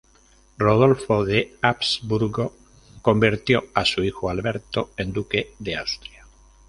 Rodolfo de Habsburgo convirtió a su hijo Alberto en duque de Austria.